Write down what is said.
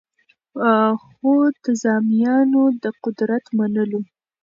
خو نظامیانو د قدرت منلو